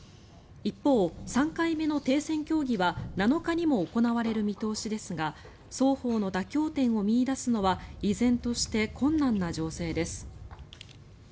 一方、３回目の停戦協議は７日にも行われる見通しですが双方の妥協点を見いだすのは依然として困難な情勢です。